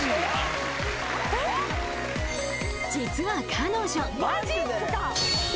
［実は彼女］